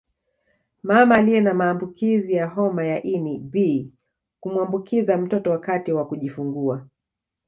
Mama aliye na maambukizi ya homa ya ini B kumuambukiza mtoto wakati wa kujifungua